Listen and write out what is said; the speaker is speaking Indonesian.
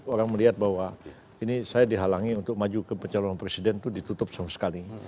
orang melihat bahwa ini saya dihalangi untuk maju ke pencalonan presiden itu ditutup sama sekali